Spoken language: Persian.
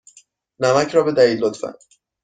نمک را بدهید، لطفا.